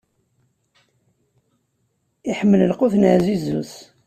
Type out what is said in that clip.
Iḥemmel lqut n ɛzizu-s.